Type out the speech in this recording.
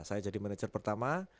saya jadi manajer pertama